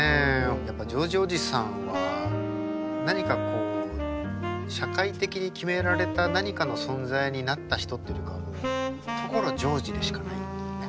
やっぱジョージおじさんは何かこう社会的に決められた何かの存在になった人っていうよりかはもう所ジョージでしかないっていうね。